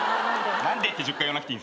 「何で」って１０回言わなくていい。